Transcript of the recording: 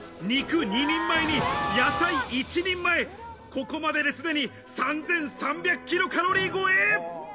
肉２人前に野菜一人前、ここまでで、すでに３３００ｋｃａｌ超え。